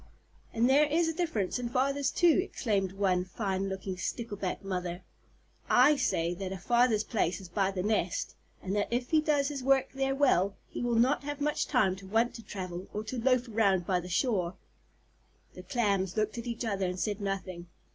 "And there is a difference in fathers too," exclaimed one fine looking Stickleback Mother. "I say that a father's place is by the nest, and that if he does his work there well, he will not have much time to want to travel, or to loaf around by the shore." The Clams looked at each other and said nothing.